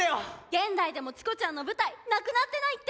現代でもチコちゃんの舞台なくなってないって！